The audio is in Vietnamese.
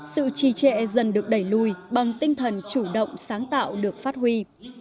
sự trì trệ dần được đẩy lùi bằng tinh thần chủ động sáng tạo được phát huy